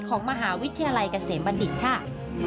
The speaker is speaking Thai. ของมหาวิทยาลัยเกษมบัณฑิตค่ะ